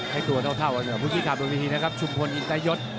ให้ตัวเท่ากับภูกิษฐาบริมิธินะครับชุมพลอินตะยศ